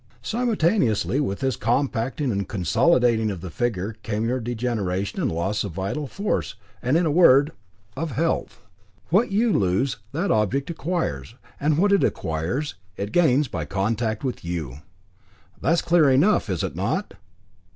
Simultaneously with this compacting and consolidating of the figure, came your degeneration and loss of vital force and, in a word, of health. What you lose, that object acquires, and what it acquires, it gains by contact with you. That's clear enough, is it not?"